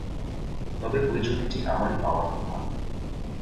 তবে ওই জমিটি আমারই পাওয়ার কথা।